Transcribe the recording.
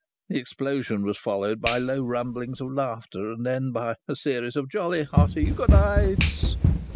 The explosion was followed by low rumblings of laughter and then by a series of jolly, hearty "Good nights."